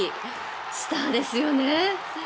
スターですよね。